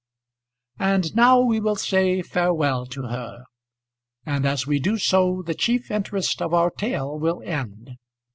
And now we will say farewell to her, and as we do so the chief interest of our tale will end.